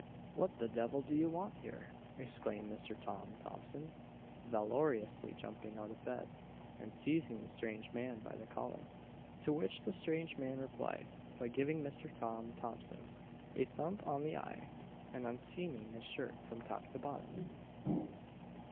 "What the devil do you want here?" exclaimed Mr. Tom Thompson valorously jumping out of bed, and seizing the strange man by the collar. To which the strange man replied, by giving Mr. Tom Thompson a thump on the eye, and unseaming his shirt from top to bottom!